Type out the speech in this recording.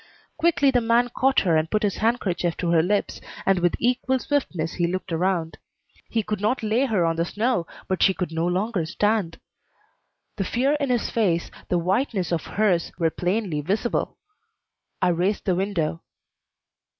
Quickly the man caught her and put his handkerchief to her lips, and with equal swiftness he looked around. He could not lay her on the snow, but she could no longer stand. The fear in his face, the whiteness of hers, were plainly visible. I raised the window.